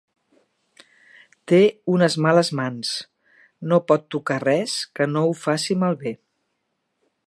Té unes males mans: no pot tocar res que no ho faci malbé.